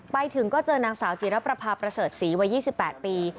ไปถึงก็เจอนางสาวจิรประพาประเสริฐศรีวัย๒๘ปี